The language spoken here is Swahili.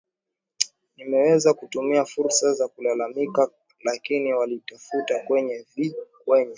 nimeweza kutumia fursa za kulalamika lakini walinitafuta kwenye vi kwenye